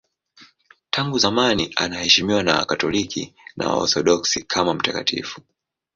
Tangu zamani anaheshimiwa na Wakatoliki na Waorthodoksi kama mtakatifu.